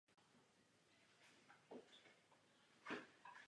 Blízkosti člověka se vyhýbá.